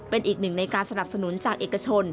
เป็นอีกหนึ่งในการสนับสนุนจากเอกชน